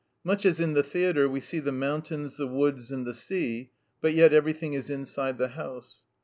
Much as in the theatre we see the mountains, the woods, and the sea, but yet everything is inside the house.